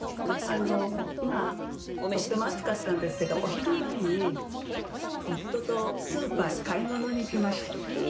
とっても暑かったんですけどお昼前に、夫とスーパーへ買い物に行きました。